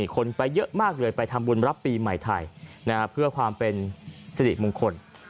คนไปเยอะมากเลยไปทำบุญรับปีใหม่ไทยเพื่อความเป็นสิริมงคล